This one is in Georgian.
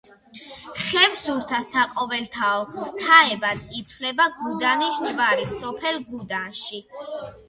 ხევსურთა საყოველთაო ღვთაებად ითვლება გუდანის ჯვარი სოფელ გუდანში.